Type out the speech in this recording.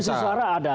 potensi suara ada